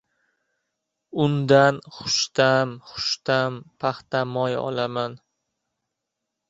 Undan xushta’m-xushta’m paxtamoy olaman.